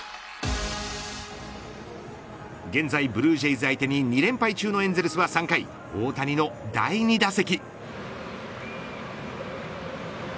現在、ブルージェイズ相手に２連敗中のエンゼルスは３回大谷の第２打席。